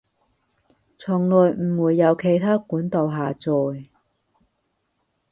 從來唔會由其它管道下載